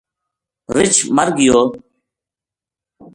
رچھ مر گیو